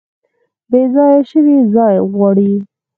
بیځایه شوي ځای غواړي